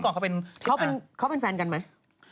เขาเป็นแฟนกันไหม